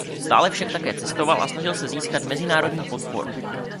Stále však také cestoval a snažil se získat mezinárodní podporu.